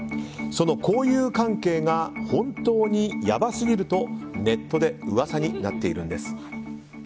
その交友関係が本当にやばすぎるとネットで噂になっているんです。